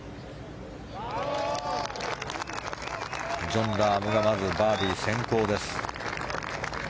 ジョン・ラームはまずバーディー先行です。